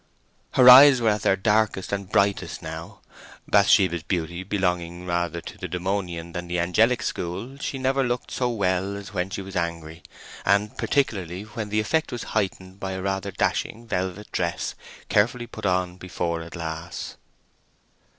Her eyes were at their darkest and brightest now. Bathsheba's beauty belonging rather to the demonian than to the angelic school, she never looked so well as when she was angry—and particularly when the effect was heightened by a rather dashing velvet dress, carefully put on before a glass.